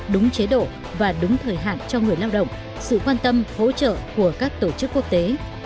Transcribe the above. đúng chế độ và đúng thời hạn cho người lao động sự quan tâm hỗ trợ của các tổ chức quốc tế